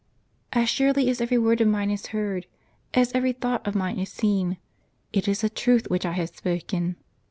"As surely as every word of mine is heard, as every thought of mine is seen, it is a truth which I have spoken."